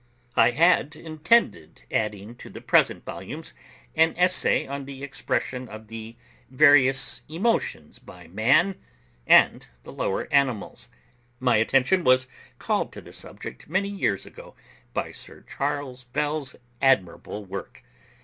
I had intended adding to the present volumes an essay on the expression of the various emotions by man and the lower animals. My attention was called to this subject many years ago by Sir Charles Bell's admirable work.